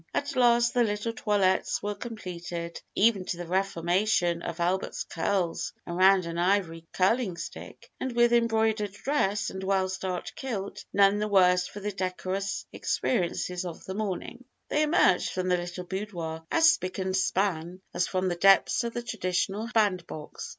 At last the little toilettes were completed, even to the reformation of Albert's curls around an ivory curling stick; and with embroidered dress and well starched kilt none the worse for the decorous experiences of the morning, they emerged from the little boudoir as "spick and span" as from the depths of the traditional bandbox.